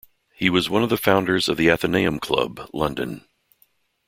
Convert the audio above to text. He was one of the founders of the Athenaeum Club, London.